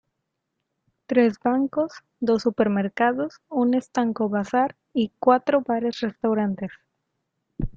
Tres bancos, dos supermercados un estanco-bazar y cuatro bares-restaurantes.